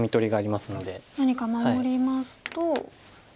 何か守りますと。